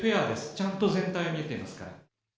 ちゃんと全体を見てますから。